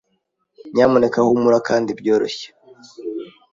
Nyamuneka humura kandi byoroshye.